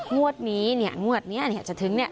งวดนี้เนี่ยงวดนี้เนี่ยจะถึงเนี่ย